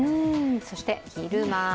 そして、昼間。